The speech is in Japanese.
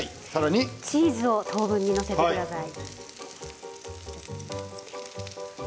チーズを等分に載せてください。